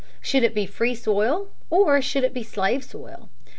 Should it be free soil or should it be slave soil?